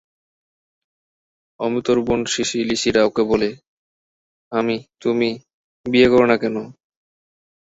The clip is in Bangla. অমিতর বোন সিসি-লিসিরা ওকে বলে, অমি, তুমি বিয়ে কর না কেন?